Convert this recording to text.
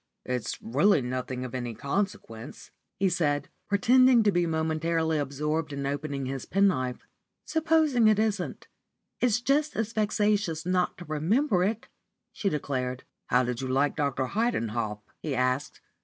"It's really nothing of any consequence," he said, pretending to be momentarily absorbed in opening his penknife. "Supposing it isn't, it's just as vexatious not to remember it," she declared. "How did you like Dr. Heidenhoff?" he asked.